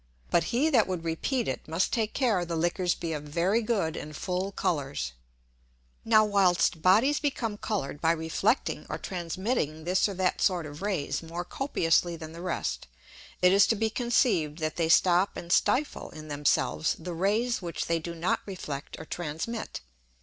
But he that would repeat it, must take care the Liquors be of very good and full Colours. Now, whilst Bodies become coloured by reflecting or transmitting this or that sort of Rays more copiously than the rest, it is to be conceived that they stop and stifle in themselves the Rays which they do not reflect or transmit.